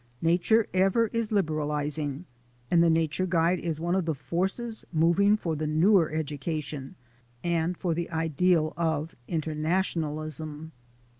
Nature ever is liberalizing, and the nature guide is one of the forces moving for the newer education and for the ideal of inter nationalism.